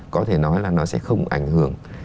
có thể nói là nó sẽ không ảnh hưởng